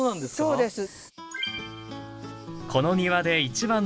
そうですね。